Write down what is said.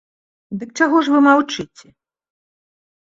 Дык чаго ж вы маўчыце?